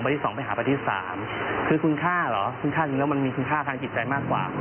ที่๒ไปหาประเทศสามคือคุณค่าเหรอคุณค่าจริงแล้วมันมีคุณค่าทางจิตใจมากกว่า